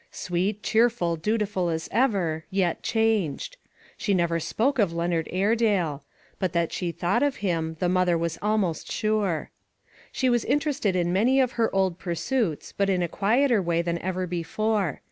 Sweet, cheer ful, dutiful as ever, yet changed. She never spoke of Leonard Airedale; but that she thought of him, the mother was almost sure. She was interested in many of her old pursuits, but in a quieter way than ever before.